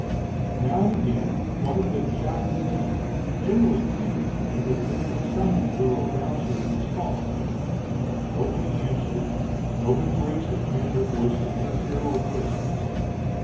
Now and again one of them shouted a name, generally Peden's name, or the name of some dealer or bouncer in his hall. Nobody answered, nobody raised hand or voice to interfere or protest.